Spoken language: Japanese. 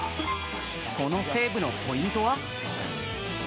このセーブのポイントは？